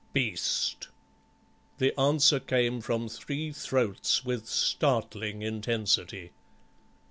"Beast!" The answer came from three throats with startling intensity.